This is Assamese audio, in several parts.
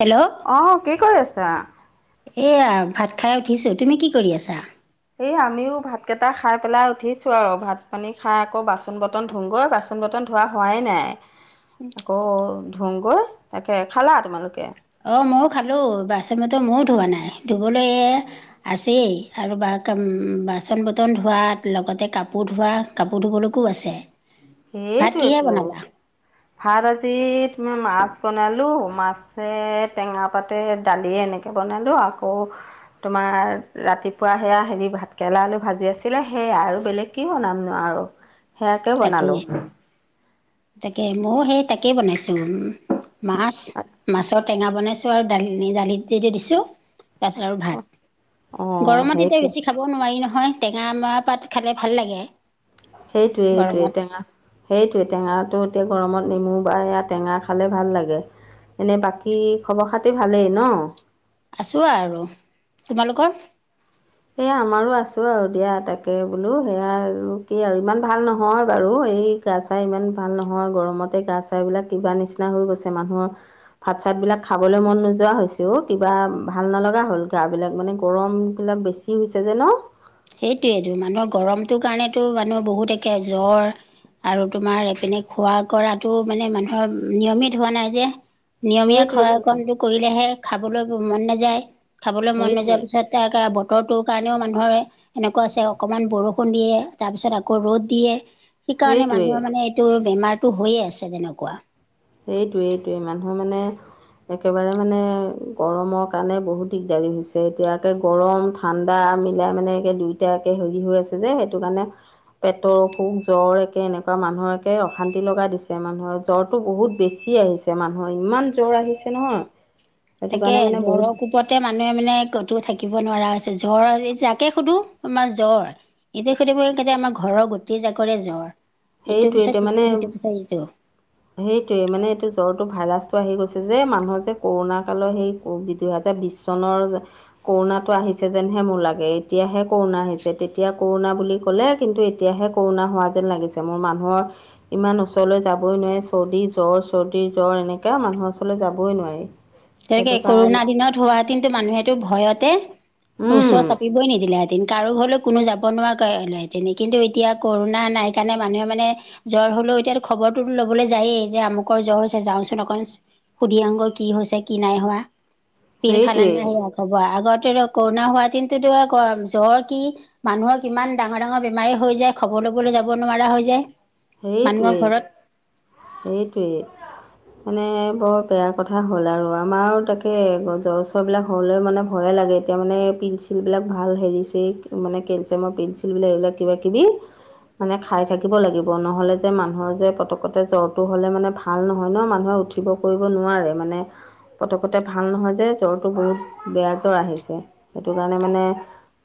হেল্ল'! অঁ কি কৰি আছা? এয়া ভাত খাই উঠিছো। তুমি কি কৰি আছা? এই আমিও ভাত কেইটা খাই পেলাই উঠিছো আৰু ভাত পানী খাই আকৌ বাচন ব ৰ্তন ধুংগৈ বাচন বৰ্তন ধোৱা হোৱাই নাই। আকৌ ধুংগৈ তাকে। খালা তোমালোকে? অঁ মইয়ো খালোঁ বাচন বৰ্তন মইয়ো ধোৱা নাই ধুবলৈ এ আছেই আৰু বা বাচন বৰ্তন ধোৱা লগতে কাপোৰ ধোৱা। কাপোৰ ধুবলৈকো আছে। ভাত কিহে সেইটোৱেটো। বনালা ভাত আজিত মই মাছ বনালোঁ মাছে টেঙা পাতে দালিয়ে এনে কে বনালোঁ আকৌ তোমাৰ ৰাতিপুৱা সেয়া হেৰি ভাত কেৰেলা ভাজি আছিলে সেয়াই আৰু বেলেগ কি বনাম নো আৰু সেয়াকে তাকে বনালো। তাকে, মইয়ো সেই, তাকেই বনাইছোঁ। উম, মাছ, মাছত টেঙা বনাইছোঁ আৰু দালি, দালিত দি দিছোঁ। তাৰপিছত আৰু ভাত। অ' গৰমত এতিয়া সেইটো বেছি খাব নোৱাৰি নহয়, টেঙা মৰা পাত খালে ভাল লাগে! সেইটোৱে, সেইটোৱে! গৰমত টেঙা। সেইটোৱে, টেঙাটো এতিয়া গৰমত, নেমু বা এয়া, টেঙা খালে ভাল লাগে। এনেই, বাকী খবৰ- খাতি ভালেই ন'? আছোঁ আৰু। তোমালোকৰ? এই, আমাৰো আছোঁ আৰু দিয়া। তাকে বোলোঁ, সেয়া আৰু কি আৰু ইমান ভাল নহয় বাৰু! এই, গা-চা ইমান ভাল নহয়! গৰমতে গা-চা বিলাক কিবা নিচিনা হৈ গৈছে মানুহৰ। ভাত-চাতবিলাক খাবলৈ মন নোযোৱা হৈছে অ'! কিবা ভাল নলগা হ'ল, গাবিলাক মানে, গৰমবিলাক বেছি! কি হৈছে যে ন'? সেইটোৱেইেতো! মানুহৰ গৰমটোৰ কাৰণেতো, মানুহৰ বহুত একে জ্বৰ। আৰু তোমাৰ এইপিনে, খোৱা কৰাটো মানে, মানুহৰ নিয়মিত হোৱা নাই যে। সেইটোৱে নিয়মীয়া খোৱাৰ সেইটোৱে কণটো কৰিলেহে, খাবলৈ মন নাযায়, খাবলৈ মন সেইটোৱে নাযোৱাৰ পিছত, [unintelligible] বতৰটো কাৰণেও মানুহৰে এনেকুৱা আছে, অকণমান বৰষুণ দিয়ে, তাৰপিছত আকৌ, ৰ'দ দিয়ে। সেইকাৰণে, সেইটোৱে মানুহৰ মানে এইটো, বেমাৰটো হৈয়ে আছে যেনেকুৱা। সেইটোৱে, সেইটোৱে! মানুহৰ মানে, একেবাৰে মানে, গৰমৰ কাৰণে বহুত দিগদাৰী হৈছে! এতিয়া, একে গৰম, ঠাণ্ডা মিলাই মানে, একে দুইটা একে, সেৰি হৈ আছে যে, সেইটো কাৰণে, পেটৰ অসুখ, জ্বৰ একে, এনেকুৱা মানুহকে, অশান্তি লগাই দিছে! মানুহৰ জ্বৰ টো বহুত বেছি আহিছে, মানুহৰ! ইমান জ্বৰ আহিছে নহয়। সেইটো তাকে, কাৰণে মানে জ্বৰ বহুত কোবত গোটেই মানুহে মানে, ক'তো থাকিব নোৱাৰা হৈছে, জ্বৰ। [unintelligible] যাকে সুধো! আমাৰ জ্বৰ। ইটো-সিটো পৰা কেতিয়া, আমাৰ ঘৰৰ গোটেই জাকৰে জ্বৰ! ইটোৰ সেইটোৱে এতিয়া পিছত মানে সিটো, সিটো পিছত ইটো। সেইটোৱে! মানে এইটো, জ্বৰটো ভাইৰাছটো আহি গৈছে যে, মানুহৰ যে, কৰ'না কালৰ সেই, দুহেজাৰ বিশ চনৰ, কৰ'নাটো আহিছে যেনহে, মোৰ লাগে। এতিয়াহে, কৰ'না আহিছে। তেতিয়া, কৰ'না বুলি ক'লে, কিন্তু তেতিয়াহে, কৰ'না হোৱা যেন লাগিছে মোৰ। মানুহৰ, ইমান ওচৰলৈ যাবই নোৱাৰি। চৰ্দি-জ্বৰ, চৰ্দি-জ্বৰ এনেকা, মানুহৰ ওচৰলৈ যাবই নোৱাৰি। তেনেকে, সেইটো কাৰণে কৰ'না দিনত হোৱা হেতেন, ত' মানুহেটো ভয়তে, ওচৰ উম চাপিবই নিদিলেঁতেন, কাৰো ঘৰলৈ কোনো যাব নোৱাৰা কৰিলে হেতেন। কিন্তু, এতিয়া কৰ'না নাই কাৰণে, মানুহে মানে, জ্বৰ হ'লেও এতিয়াতো, খবৰটো ল'বলৈ যায়েই! যে, আমুকৰ জ্বৰ হৈছে, যাওঁচোন অকন। সুধি আহোঁগৈ, কি হৈছে, কি নাই হোৱা। পিল খালে নে সেইটোৱেই নাই? হ'ব। আগতে, ত' কৰ'না হোৱা হেঁতেনতো, জ্বৰ কি মানুহৰ কিমান, ডাঙৰ-ডাঙৰ বেমাৰে হৈ যায়! খবৰ ল'বলৈ যাব নোৱাৰা হৈ যায়। মানুহৰ সেইটোৱেই, ঘৰত সেইটোৱেই! মানে, বৰ বেয়া কথা হ'ল আৰু! আমাৰো তাকে, জ্বৰ- চৰ বিলাক হ'লে মানে, ভয়ে লাগে! এতিয়া মানে, পেঞ্চিলবিলাক ভাল, সেৰি-চেৰি মানে, কেলছিয়ামৰ পিল-চিল বিলাক, এইবিলাক কিবাকিবি। মানে, খাই থাকিব লাগিব, নহ'লে যে, মানুহৰ যে পতকতে জ্বৰটো হ'লে মানে, ভাল নহয়, ন'! মানুহে উঠিব- কৰিব নোৱাৰে। মানে, পতকতে ভাল নহয় যে, জ্বৰটো বহুত বেয়া জ্বৰ আহিছে! সেইটো কাৰণে মানে,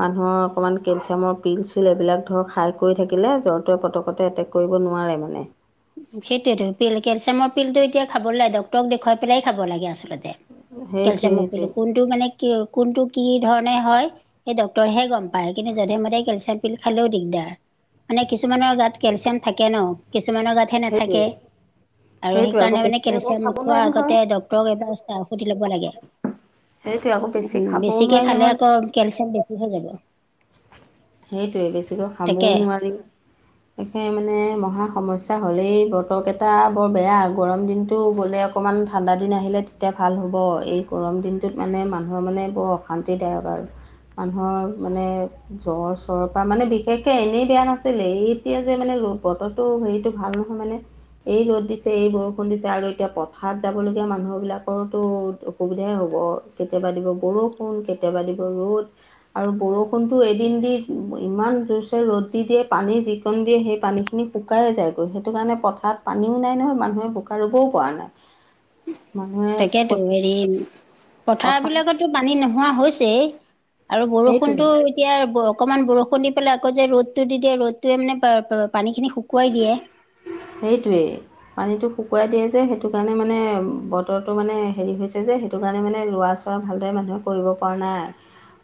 মানুহৰ অকমান, কেলচিয়ামৰ পিল-চিল এইবিলাক ধৰ, খাই কৰি থাকিলে, জ্বৰটোৱে পতকতে এটেক কৰিব নোৱাৰে মানে সেইটোৱেতো পিল কেলচিয়ামৰ পিলতো এতিয়া খাব নেলাই ডক্তৰক দেখুৱাই পেলাই খাব লাগে আচলতে সেইটোৱে কেলচিয়ামৰ সেইটোৱে পিল কোনটো মানে কি কোনটো কি ধৰণে হয় এই ডক্টৰেহে গম পায় কিন্তু যধে মধে কেলচিয়াম পিল খালেও দিগদাৰ মানে কিছুমানৰ গাত কেলচিয়াম থাকে ন কিছুমানৰ গাত [inaudible] সেইটোৱেই সেইটোৱে আকৌ বেছি আকৌ খাব নোৱাৰি নহয় [unintelligible] সুধি ল'ব লাগে সেইটোৱে আকৌ বেছি উ খাবও বেছিকে নোৱাৰি খালে নহয় আকৌ কেলচিয়াম বেছি হৈ যাব সেইটোৱে বেছিকৈ খাবও তাকে নোৱাৰিম একে মানে মহা সমস্যা হ'লেই বতৰকেইটা বৰ বেয়া গৰম দিনটো গ'লে অকণমান ঠাণ্ডা দিন আহিলে তেতিয়া ভাল হ'ব এই গৰম দিনটোত মানে মানুহৰ মানে বৰ অশান্তিদায়ক আৰু মানুহৰ মানে জ্বৰ চ্বৰ পৰা মানে বিশেষকে এনেই বেয়া নাছিলে এতিয়া যে মানে বতৰটো হেৰিতটো ভাল নহয় মানে এই ৰ'দ দিছে এই বৰষুণ দিছে আৰু এতিয়া পথাৰ যাবলগীয়া মানুহ বিলাকৰো অসুবিধাই হ'ব কেতিয়াবা দিব বৰষুণ কেতিয়াবা দিব ৰ'দ আৰু বৰষুণটো [unintelligible] ৰ'দ দি পানী যি কণ দিয়ে সেই পানীখিনি শুকাই যায় গৈ সেতু কাৰণে পথা তাত পানীও নাই নহয় মানুহে বোকা ৰুবও পৰা নাই মানুহে তাকেতো হেৰি পথাৰ পথাৰত বিলাকত টো পানী নোহোৱা হৈছেই আৰু সেইটোৱে বৰষুণতো এতিয়া অকণমান বৰষুণ দি পেলাই আকৌ যে ৰ'দটো দি দিয়ে ৰ'দটোৱে মানে পানীখিনি শুকুৱাই দিয়ে সেইটোৱেই পানীটো শুকুৱাই দিয়ে যে সেইটো কাৰণে মানে বতৰটো মানে হেৰি হৈছে যে সেইটো কাৰণে মানে ৰোৱা চ ভালদৰে মানুহে কৰিব পৰা নাই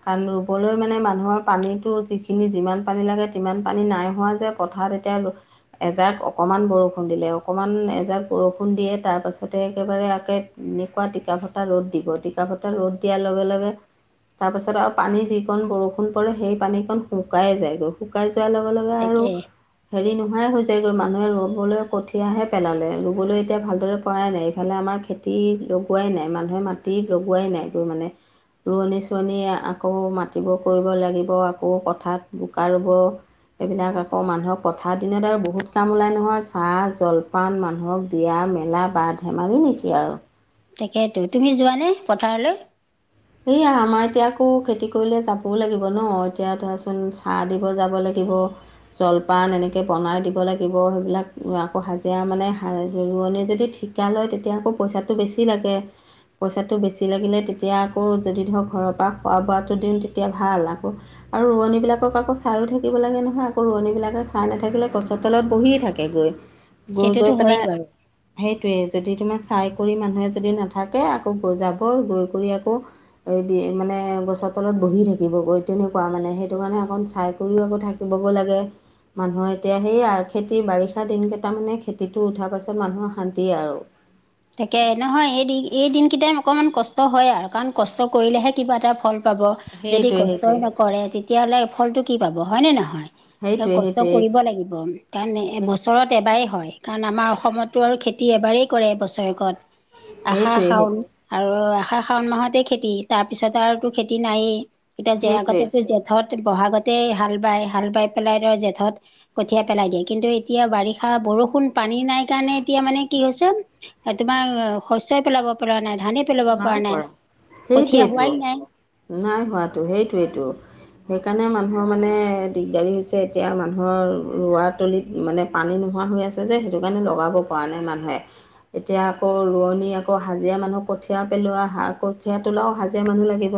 কাৰণ ৰুবলৈ মানে মানুহৰ পানীটো যিখিনি যিমান পানী লাগে সিমান পানী নাই হোৱা যে [unintelligible] এজাক অকণমান বৰষুণ দিলে অকণমান এজাক বৰষুণ দিয়ে তাৰপাছতে একেবাৰে ইয়াকে এনেকুৱা টিকা ভটা ৰ'দ দিব টিকা ভটা ৰ'দ দিয়াৰ লগে লগে তাৰ পাছত আৰু পানী যিখন বৰষুণ পৰে সেই পানীখন শুকাই যায়গৈ শুকাই যোৱাৰ লগে লগে আৰু তাকে হেৰি নোহোৱাই হৈ যায় মানুহে ৰু'বলৈ কঠিয়াহে পেলালে ৰু'বলৈ এতিয়া ভালদৰে পৰাই নাই ইফালে আমাৰ খেত মাটি লগোৱাই নাই মানুহে মাটি লগোৱাই নাই মানে ৰোৱনী চোৱনীয়ে আকৌ মাটিবোৰ কৰিব লাগিব আকৌ পথাত বোকা ৰুব এইবিলাক আকৌ মানুহক পথাৰ দিনত আৰু বহুত কাম ওলাই নহয়, চাহ জলপান মানুহক দিয়া মেলা বা ধেমালি নেকি আৰু তাকেটো তুমি যোৱানে পথাৰলৈ সেইয়া আমাৰ এতিয়া আকৌ খেতি কৰিলে যাবও লাগিব ন এতিয়া ধৰাচোন চাহ দিব যাব লাগিব জলপান এনেকৈ বনাই দিব লাগিব সেইবিলাক আকৌ হাজিৰা মানে ৰোৱনীয়ে যদি ঠিক ঠিকা লয় তেতিয়া আকৌ পইচাটো বেছি লাগে পইচাটো বেছি লাগিলে তেতিয়া আকৌ যদি ধৰক ঘৰৰ পৰা খোৱা বোৱাটো দিওঁ তেতিয়া ভাল আকৌ আৰু ৰোৱনীবিলাকক আকৌ চাইও থাকিব লাগে নহয় আকৌ ৰোৱনীবিলাকে চাই নাথাকিলে গছৰ তলত বহিয়ে থাকে [unintelligible] গৈ সেইটোতো গৈ হয়েই পেলায় বাৰু। সেইটোৱেই যদি তোমাৰ চাই কৰি মানুহে যদি নাথাকে আকৌ গৈ যাব গৈ কৰি আকৌ এইটোৱে মানে গছৰ তলত বহি থাকিব গৈ তেনেকুৱা মানে সেইটো কাৰণে অকণ চাই কৰিও আকৌ থাক [unintelligible] লাগে মানুহৰ এতিয়া সেই আৰু খেতি বাৰিষা দিন কেইটামানে খেতিটো উঠাৰ পাছত মানুহৰ শান্তি আৰু তাকে নহয় এই দি এই দিন কেইটাই অকমান কষ্ট হয় আৰু কাৰণ কষ্ট কৰিলেহে কিবা এটা ফল পাব যদি সেইটোৱে কষ্টই সেইটোৱে নকৰে তেতিয়াহ'লে ফলটো কি পাব হয়নে নহয় সেইটোৱে কষ্ট সেইটোৱে কৰিব লাগিব কাৰণ বছৰত এবাৰেই হয়, কাৰণ আমাৰ অসমতো আৰু খেতি এবাৰেই কৰে বছৰেকত আহাৰ সেইটোৱে শাওণ সেই- আৰু আহাৰ শাওণ মাহতে খেতি তাৰপিছত আৰু টো খেতি নায়েই, এতিয়া জেঠৰ আগতেটো সেইটোৱে জেঠ বহাগতেই হাল বায় হাল বাই পেলাই ধৰ জেঠত কঠিয়াই পেলাই দিয়ে কিন্তু এতিয়া বাৰিষাৰ বৰষুণ পানী নাই কাৰণে এতিয়া মানে কি হৈছে তোমাৰ শস্যই পেলাব পৰা নাই ধানে পেলাব পৰা নাই কঠীয়া সেইটোৱেতো হোৱাই নাই নাই হোৱাটো সেইটোৱেইটো সেইকাৰণে মানুহৰ মানে দিগদাৰী হৈছে এতিয়া মানুহৰ ৰোৱাতলিত মানে পানী নোহোৱা হৈ আছে যে সেইটো কাৰণে লগাব পৰা নাই মানুহে এতিয়া আকৌ ৰোৱনী আকৌ হাজিৰা মানুহ কঠী কঠীয়া পেলোৱা আৰু কঠীয়া তোলাও হাজিৰা মানুহ লাগিব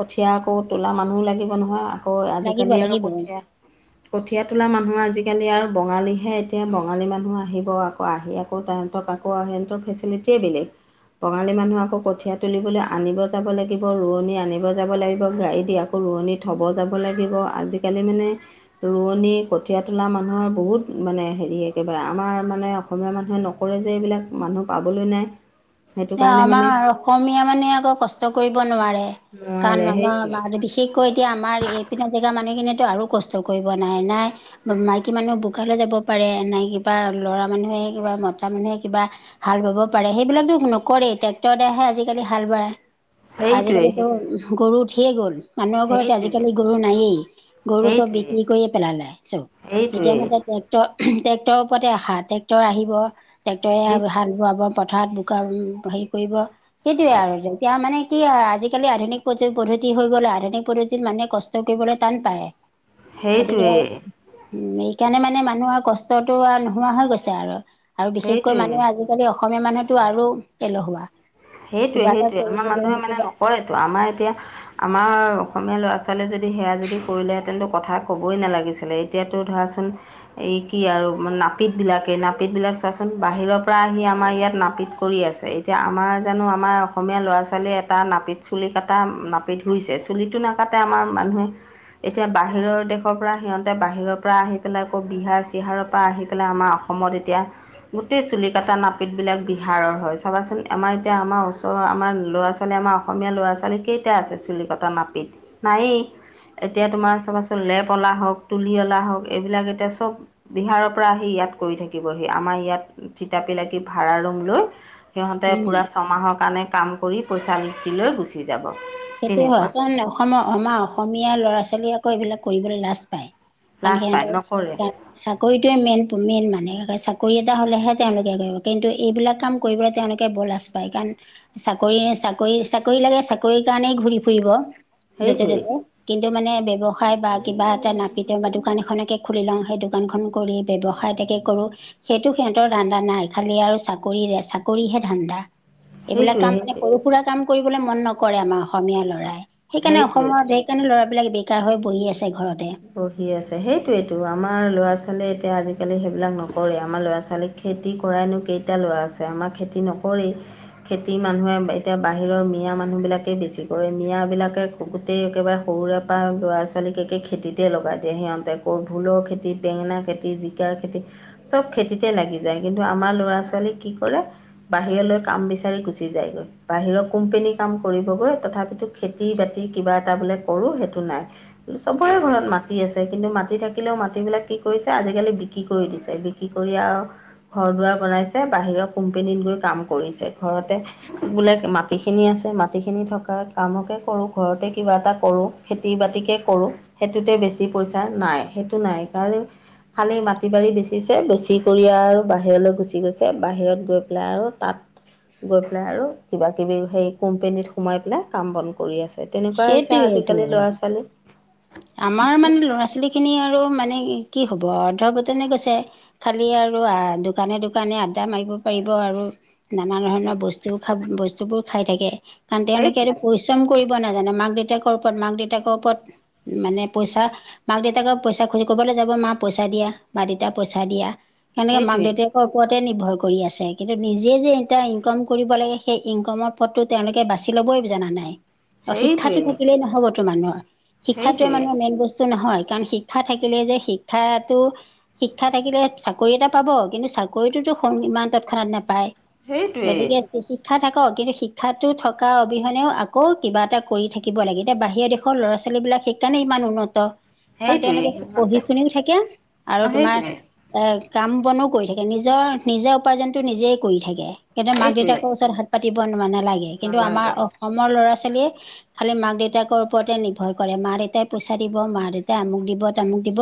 কঠীয়া আকৌ তোলা মানুহো লাগিব নহয় আকৌ লাগিব আজিকালি আৰু লাগিব কঠীয়া কঠীয়া তোলা মানুহ আজিকালি আৰু বঙালীহে এতিয়া বঙালী মানুহ আহিব আকৌ আহি আকৌ তাহঁতক খোৱা সিহতৰ ফেচিলিটিয়েই বেলেগ বঙালী মানুহে আকৌ আকৌ কঠীয়া তুলিবলৈ আনিব যাব লাগিব ৰোৱনী আনিব যাব লাগিব গাড়ী দিয়া ৰোৱনী থব যাব লাগিব আজিকালি মানে ৰোৱনী কঠীয়া তোলা মানুহৰ বহুত মানে হেৰি একেবাৰে আমাৰ মানে অসমীয়া মানুহে নকৰে যে এইবিলাক মানুহ পাবলৈ নাই সেইটো এইয়া কাৰণে আমাৰ মানে অসমীয়া মানে আকৌ কষ্ট কৰিব নোৱাৰে কাৰণ নোৱাৰে আমাৰ সেইটোৱে মানসিক আকৌ এতিয়া আমাৰ এই পিনা জেগা মানুহখিনিত আৰু কষ্ট কৰিব নাই নাই মাইকী মানুহ বোকালৈ যাব পাৰে নাই কিবা ল'ৰা মানুহে কিবা মতা মানুহে কিবা হাল বোৱাব পাৰে সেইবিলাকে শুনক কৰে ট্ৰেক্টৰ দি হে আজিকালি হাল বাই সেইটোৱে আজিকালিতো গৰু উঠিয়েই গ'ল মানুহৰ ঘৰত সেইটোৱে আজিকালি গৰু নায়েই গৰু সব সেইটোৱে বিক্ৰী কৰিয়ে পেলালে সব এতিয়া সেইটোৱে মতে টেক ট্ৰেক্টৰ ওপৰতে আশা ট্ৰেক্টৰ আহিব ট্ৰেক্টৰে সেইটোৱে হাল বোৱাব পথাৰত বোকা হেৰি কৰিব সেইটোয়ে আৰু এতিয়া মানে কি আজিকালি আধুনিক পদ্ধতি হৈ গ'ল আধুনিক পদ্ধতিত মানুহে কষ্ট কষ্ট কৰিবলে টান পায় উ [unintelligible] গতিকে উ এইকাৰণে মানে মানুহৰ কষ্টতটো আৰু নোহোৱা হৈ গৈছে আৰু আৰু বিশেষকৈ সেইটোৱে মানে মানুহে আজিকালি অসমীয়া মানুহেতো আৰু এলেহুৱা সেইটোৱে কিবা এটা সেইটোয়ে‌ আমাৰ কৰিবলৈ মানুহে মানে কিবা নকৰেতো আমাৰ এতিয়া আমাৰ অসমীয়া ল'ৰা ছোৱালীয়ে যদি সেয়া যদি কৰিলেহেঁতেনো কথা ক'বই নালাগিছিলে এতিয়াতো ধৰাচোন এই কি আৰু নাপিতবিলাকে এই নাপিতবিলাক চোৱাচোন বাহিৰৰ পৰা আহি আমাৰ ইয়াত নাপিত কৰি আছে এতিয়া আমাৰ জানো আমাৰ অসমীয়া ল'ৰা ছোৱালীয়ে এটা নাপিত চুলি কাটা নাপিত হৈছে চুলিটো ন তাতে আমাৰ মানুহে এতিয়া বাহিৰৰ দেশৰ পৰা সিহঁতে বাহিৰৰ পৰা আহি পেলাই আকৌ বিহাৰ চিহাৰৰ পৰা আহি পেলাই আমাৰ অসমৰ অসমত এতিয়া গোটেই চুলি কটা নাপিতবিলাক বিহাৰৰ হয় চাবাচোন আমাৰ এতিয়া আমাৰ ওচৰৰ আমাৰ ল'ৰা ছোৱালী আমাৰ অসমীয়া ল'ৰা ছোৱালী কেইটা আছে চুলিকটা নাপিত নায়েই, এতিয়া তোমাৰ চাবাচোন লেপ অলা হওক, তুলি অলা হওক এইবিলাক এতিয়া চব - বিহাৰৰ পৰা আহি ইয়াত কৰি থাকিবহি আমাৰ ইয়াত থিতাপি লাগি ভাড়া ৰুম লৈ - সিহঁতে উম পূৰা ছমাহৰ কাৰণে কাম কৰি পইচা লোতি লৈ গুচি যাব। সেইটোৱে হয়, তেনেকুৱা কাৰণ অসমৰ আমাৰ অসমীয়া ল'ৰা ছোৱালীয়ে আক এইবিলাক কৰিবলৈ লাজ পায়। কাৰণ লাজ পায় সিহঁতৰ নকৰে - চাকৰিটোৱে মেইন, তুমি মানুহে কয় চাকৰি এটা হ'লেহে তেওঁলোকে কৰিব। কিন্তু এইবিলাক কাম - কৰিবলে তেওঁলোকে বৰ লাজ পাই, কাৰণ চাকৰিয়ে চাকৰি চাকৰি লাগে চাকৰি। কাৰণেই ঘূৰি ফুৰিব যতে সেইটোৱেই ততে। কিন্তু মানে ব্যৱসায় বা কিবা এটা নাপিতে বা দোকান এখনকে খুলি লওঁ সেই দোকানখন কৰি - ব্যৱসায় এটাকে কৰোঁ- সেইটো সিহঁতৰ দান্দা নাই খালি আৰু চাকৰিৰে চাকৰিহে ধান্দা। এইবিলাক কাম সেইটোৱেই মানে সেইটোৱেই সৰু সুৰা কাম কৰিবলে মন নকৰে আমাৰ অসমীয়া ল'ৰাই সেইকাৰণে সেইটোৱেই অসমৰ দেশ - সেইকাৰণে ল'ৰাবিলাক বেকাৰ হৈ বহি আছে ঘৰতে। বহি আছে, সেইটোয়েটো আমাৰ ল'ৰা ছোৱালীয়ে এতিয়া আজিকালি সেইবিলাক নকৰে আমাৰ ল'ৰা ছোৱালীক - খেতি কৰাইনো কেইটা ল'ৰা আছে আমাৰ খেতি নকৰেই। খেতি মানুহে এতিয়া বাহিৰৰ মিয়ঞা মানুহ বিলাকে বেছি কৰে মিয়াবলাকে - গোটেই একেবাৰে সৰুৰে পৰা ল'ৰা ছোৱালীক একে - খেতিতে লগাই দিয়ে সিহঁতে, ক ভুলৰ খেতি বেঙেনা খেতি জিকাৰ খেতি - চব খেতিতে লাগি যায়, কিন্তু আমাৰ ল'ৰা ছোৱালী কি কৰে - বাহিৰলৈ কাম বিচাৰি গুচি যায়গৈ, বাহিৰৰ কোম্পেনী কাম কৰিবগৈ তথাপিতো - খেতি বাতি কিবা এটা বোলে কৰো সেইটো নাই। চব - চবৰে ঘৰত মাটি আছে, কিন্তু মাটি থাকিলেও মাটিবিলাক কি কৰিছে, আজিকালি বিক্ৰী কৰি দিছে, বিক্ৰী কৰি আও - ঘৰ দুৱাৰ বনাইছে বাহিৰৰ কোম্পেনীত গৈ কাম কৰিছে, ঘৰতে - বোলে মাটিখিনি আছে মাটি খিনি থকা কামকে কৰো ঘৰতে কিবা এটা কৰো - খেতি বাতিকে কৰোঁ, সেইটোতে বেছি পইচা নাই, সেইটো নাই কাৰণ - খালী মাটি বাৰী বেচিছে, বেছি কৰি আৰু বাহিৰলৈ গুচি গৈছে, বাহিৰত গৈ পেলাই আৰু তাত - গৈ পেলাই আৰু কিবা কিবি সেই কোম্পেনীত সোমাই পেলাই কাম বন কৰি আছে। তেনেকুৱা হৈছে সেইটোৱেইটো আজিকালি আৰু। ল'ৰা ছোৱালী। আমাৰ মানে ল'ৰা-ছোৱালীখিনি আৰু মানে কি হ'ব অৰ্ধ পতনে গৈছে। খালি আৰু দোকানে দোকানে আড্ডা মাৰিব পাৰিব আৰু - নানা ধৰণৰ বস্তু খাব বস্তু বোৰ খাই থাকে কাৰণ তেওঁলোকেটো প‌ৰি - পৰিশ্ৰম কৰিব নাজানে, মাক দেউতাকৰ ওপৰত মাক দেউতাকৰ ওপৰত মানে পইচা - মাক দেউতাকক পইচা খোজে কৰবালে যাব মা পইচা দিয়া বা দেউতা পইচা দিয়া, হেনেকে মাক সেইটোৱে দেউতাক - ওপৰতে নিৰ্ভৰ কৰি আছে, কিন্তু নিজে যে এটা ইনকম কৰিব লাগে সেই ইনকমৰ - পথটো তেওঁলোকে বাচি ল'বই জানা নাই। অ', শিক্ষাতো সেইটোৱে থাকিলেই ন'হব তো মানুহৰ, শিক্ষাটোৱেই সেইটোৱে মানুহৰ মেইন বস্তু - বস্তু নহয়, কাৰণ শিক্ষা থাকিলে যে শিক্ষাটো - শিক্ষা থাকিলে চাকৰি এটা পাব, কিন্তু চাকৰিটোতো ইমান তৎক্ষণাত নাপায়। সেইটোৱে গতিকে চি শি - শিক্ষা থাকক, কিন্তু শিক্ষাটো থকা অবিহনেও আকৌ কিবা এটা কৰি থাকিব লাগে, এতিয়া বাহিৰৰ দেশৰ ল'ৰা ছোৱা - ছোৱালীবিলাক সেইকাৰণে ইমান উন্নত। কাৰণ সেইটোৱে তেওঁলোকে পঢ়ি সিহঁতে শুনিও থাকে, অ আৰু তোমাৰ - সেইটোৱে এ কাম বনো কৰি থাকে, নিজৰ নিজৰ উপাৰ্জনটো নিজেই কৰি থাকে। সিহঁতে মাক সেইটোৱে দেউতাকৰ ওচৰত হাত পাতিব নালাগে, কিন্তু আমাৰ নালাগে অ - অসমৰ ল'ৰা ছোৱালীয়ে খালি মাক দেউতাকৰ ওপৰতে নি - ভয় কৰে, মা-দেতাই পইচা দিব, মা-দেতাই আমুক দিব, তামুক দিব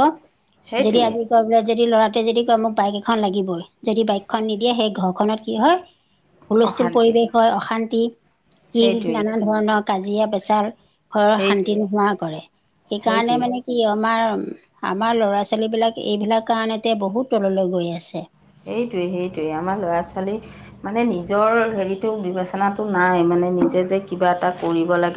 যদি সেইটোৱে আজি কয় বোলে, যদি ল'ৰাটোৱে যদি কয় মোক বাইক এখন লাগিবই, যদি বাইকখন নিদিয়ে, সেই ঘৰখনত কি হয় [inaudible] হুলস্থুল অশান্তি পৰিৱেশ হয়, অশান্তি, কি সেইটোৱে নানা ধৰণৰ কাজিয়া-পেচাল ঘৰৰ শান্তি নোহোৱা কৰে, সেইকাৰণে সেইটোৱে মানে কি, আমাৰ আমাৰ ল'ৰা-ছোৱালীবিলাক এইবিলাক কাৰণেতে বহুত তললৈ গৈ আছে। এইটোৱে, সেইটোৱেই আমাৰ ল'ৰা-ছোৱালী মানে নিজৰ হেৰিতো বিবেচনাটো নাই, মানে নিজে যে কিবা এটা কৰিব লাগ